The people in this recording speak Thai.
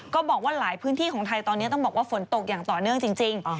ก็บอกว่าหลายพื้นที่ของไทยตอนนี้ต้องบอกว่าฝนตกอย่างต่อเนื่องจริง